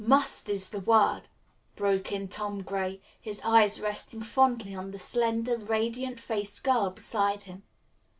"'Must' is the word," broke in Tom Gray, his eyes resting fondly on the slender, radiant faced girl beside him.